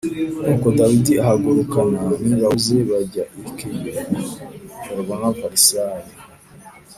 Nuko Dawidi ahagurukana n’ingabo ze bajya i Keyila barwana n’Abafilisitiya